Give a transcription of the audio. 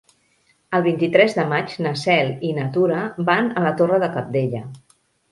El vint-i-tres de maig na Cel i na Tura van a la Torre de Cabdella.